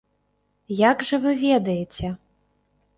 Як жа вы ведаеце?